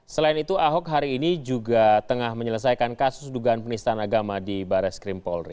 selain itu ahok hari ini juga tengah menyelesaikan kasus dugaan penistaan agama di baris krim polri